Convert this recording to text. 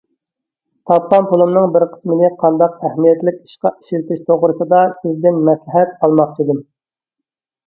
تاپقان پۇلۇمنىڭ بىر قىسمىنى قانداق ئەھمىيەتلىك ئىشقا ئىشلىتىش توغرىسىدا سىزدىن مەسلىھەت ئالماقچىدىم.